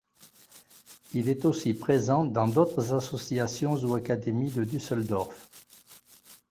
Il est aussi présent dans d'autres associations ou académies de Düsseldorf.